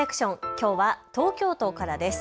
きょうは東京都からです。